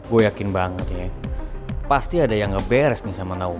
gue yakin banget pasti ada yang ngeberes nih sama nau